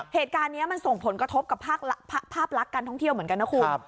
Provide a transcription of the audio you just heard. เหตุการณ์นี้มันส่งผลกระทบกับภาพลักษณ์การท่องเที่ยวเหมือนกันนะคุณ